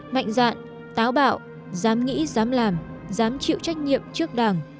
mạnh dạn táo bạo dám nghĩ dám làm dám chịu trách nhiệm trước đảng